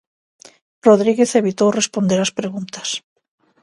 Rodríguez evitou responder as preguntas.